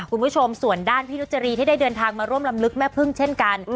คุณผู้ชมส่วนด้านพี่นุจรีที่ได้เดินทางมาร่วมลำลึกแม่พึ่งเช่นกัน